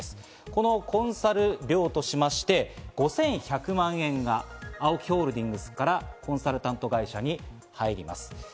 このコンサル料としまして５１００万円がＡＯＫＩホールディングスからコンサルタント会社に入ります。